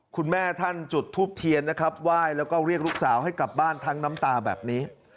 คุณแม่ท่านจุดทูปเทียนนะครับไหว้แล้วก็เรียกลูกสาวให้กลับบ้านทั้งน้ำตาแบบนี้